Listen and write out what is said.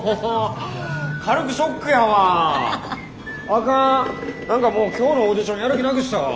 あかん何かもう今日のオーディションやる気なくしたわ。